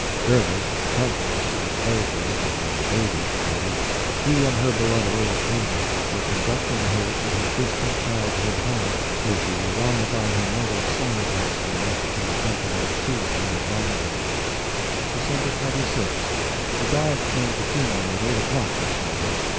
Jervis, the cousin she had played with when they were babies together—he and her beloved old Katy—were conducting her to her distant childhood home, where she will lie by her mother's side once more, in the company of Susy and Langdon. DECEMBER 26TH. The dog came to see me at eight o'clock this morning.